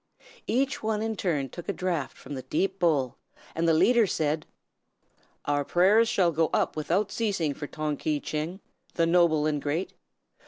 Each one in turn took a draught from the deep bowl, and the leader said: "Our prayers shall go up without ceasing for Tong Ki Tcheng, the noble and great.